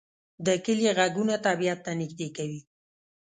د کلی غږونه طبیعت ته نږدې کوي